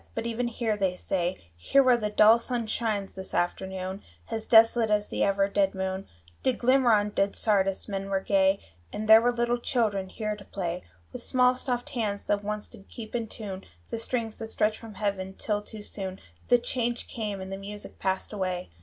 But even here, they say, Here where the dull sun shines this afternoon As desolate as ever the dead moon Did glimmer on dead Sardis, men were gay; And there were little children here to play, With small soft hands that once did keep in tune The strings that stretch from heaven, till too soon The change came, and the music passed away.